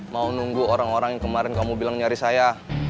mau nunggu orang orang yang kemarin kamu bilang nyari saya